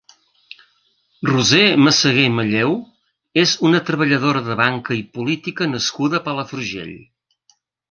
Roser Massaguer Malleu és una treballadora de banca i política nascuda a Palafrugell.